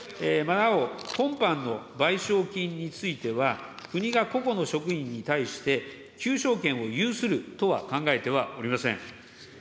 なお、今般の賠償金については、国が個々の職員に対して、求償権を有するとは考えておりません。